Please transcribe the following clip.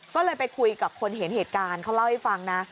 ก็เลยไปคุยกับคนเห็นเหตุการณ์เขาเล่าให้ฟังนะ